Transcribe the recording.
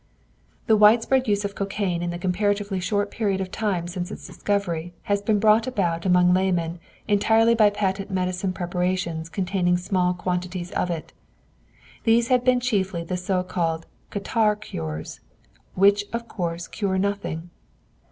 The widespread use of cocaine in the comparatively short period of time since its discovery has been brought about among laymen entirely by patent medicine preparations containing small quantities of it. These have been chiefly the so called catarrh cures, which of course cure nothing.